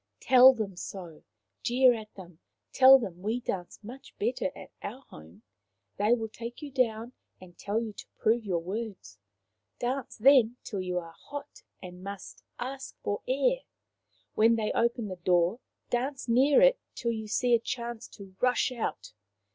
1 " Tell them so. Jeer at them. Tell them we dance much better at our home. They will take you down and tell you to prove your words. Dance then till you are hot and must ask for air. When they open the door dance near it till you see a chance to rush out.